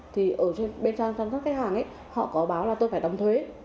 thì ở bên trong các khách hàng họ có báo là tôi phải đóng thuế